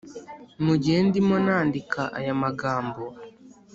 Mu gihe ndimo nandika aya magambo,